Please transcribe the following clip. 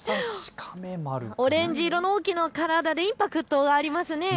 オレンジ色の大きな体でインパクトがありますね。